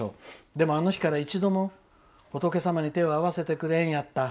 でもあの日から一度も仏様に手を合わせてくれんやった。